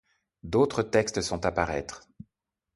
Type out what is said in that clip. D'autres textes sont à paraître.